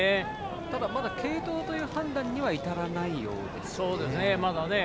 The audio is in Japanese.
ただ、まだ継投という判断には至らないようですね。